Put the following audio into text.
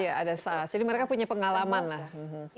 iya ada sars jadi mereka punya pengalaman lah